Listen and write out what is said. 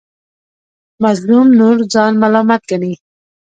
مظلوم نور ځان ملامت ګڼي.